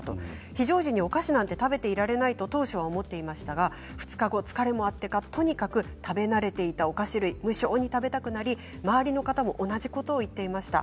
非常時にお菓子なんて食べていられないと当初思っていましたが、２日後疲れもあってか食べ慣れていたお菓子が無性に食べたくなり、周りの方も同じこと言っていました。